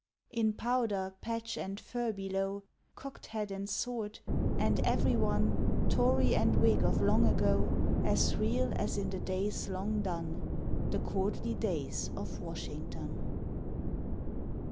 In powder, patch, and furbelow, Cocked hat and sword; and every one, Tory and whig of long ago, As real as in the days long done, The courtly days of Washington.